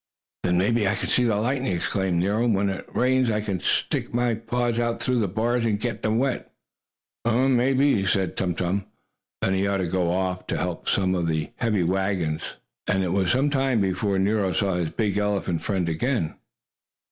"Then maybe I can see the lightning!" exclaimed Nero. "And, if it rains, I can stick my paws out through the bars and get them wet." "Maybe," said Tum Tum. Then he had to go off to help push some of the heavy wagons, and it was some time before Nero saw his big elephant friend again.